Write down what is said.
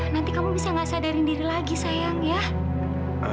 nanti kamu bisa nggak sadarin diri lagi sayang ya